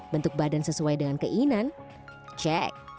bentuk badan sesuai dengan keinginan cek